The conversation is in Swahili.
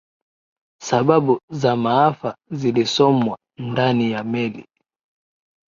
sababu za maafa zilisomwa ndani ya meli